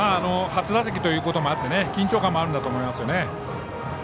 初打席ということもあって緊張感もあるんだと思います。